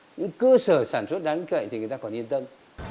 những cơ sở sản xuất đáng tin cậy thì người ta còn yên tâm